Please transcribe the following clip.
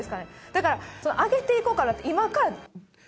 だから「上げていこうかな」って今から。